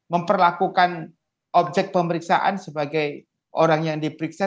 memperlakukan objek pemeriksaan sebagai orang yang diperiksa